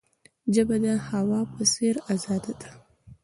ژبه د هوا په څیر آزاده ده.